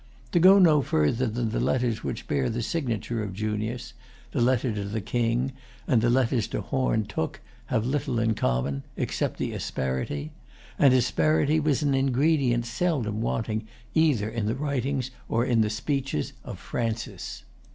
To go no further than the letters which bear the signature of Junius—the letter to the king, and the letters to Horne Tooke, have little in common, except the asperity; and asperity was an ingredient seldom wanting either in the writings or in the speeches of Francis.